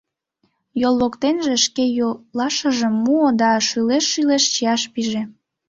Йол воктенже шке йолашыжым муо да шӱлешт-шӱлешт чияш пиже.